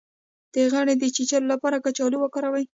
د غڼې د چیچلو لپاره کچالو وکاروئ